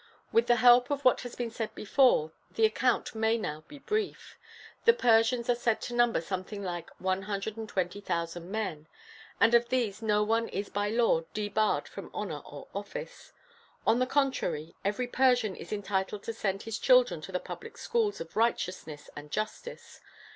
With the help of what has been said before, the account may now be brief; the Persians are said to number something like one hundred and twenty thousand men: and of these no one is by law debarred from honour or office. On the contrary, every Persian is entitled to send his children to the public schools of righteousness and justice.